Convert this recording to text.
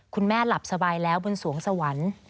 คุณแม่หลับสบายแล้วบนสวงสวรรค์